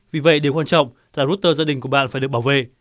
vì vậy điều quan trọng là rotter gia đình của bạn phải được bảo vệ